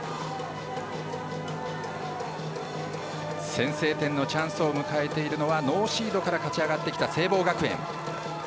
先制点のチャンスを迎えているのはノーシードから勝ち上がってきた聖望学園。